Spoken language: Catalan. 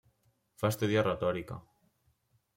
Va estudiar retòrica.